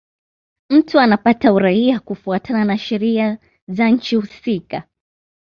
Mtu anapata uraia kufuatana na sheria za nchi husika.